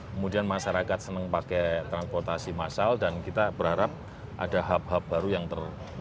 kemudian masyarakat senang pakai transportasi massal dan kita berharap ada hub hub baru yang ter